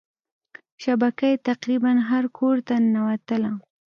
شبکه یې تقريبا هر کورته ننوتله.